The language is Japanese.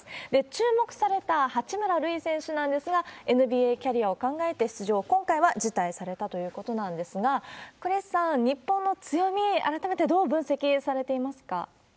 注目された八村塁選手なんですが、ＮＢＡキャリアを考えて、出場を今回は辞退されたということなんですが、クリスさん、日本の強み、改めてどう分析されてますか？